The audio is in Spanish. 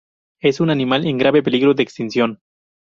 Es un animal en grave peligro de extinción.